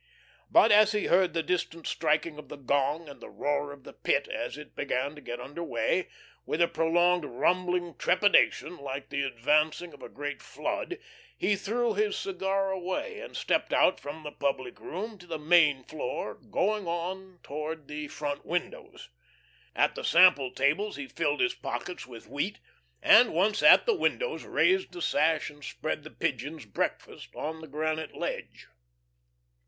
But as he heard the distant striking of the gong, and the roar of the Pit as it began to get under way, with a prolonged rumbling trepidation like the advancing of a great flood, he threw his cigar away and stepped out from the public room to the main floor, going on towards the front windows. At the sample tables he filled his pockets with wheat, and once at the windows raised the sash and spread the pigeons' breakfast on the granite ledge.